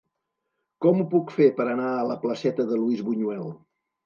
Com ho puc fer per anar a la placeta de Luis Buñuel?